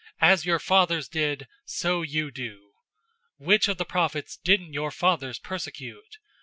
As your fathers did, so you do. 007:052 Which of the prophets didn't your fathers persecute?